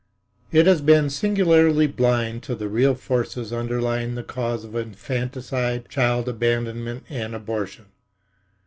It has been singularly blind to the real forces underlying the cause of infanticide, child abandonment and abortion.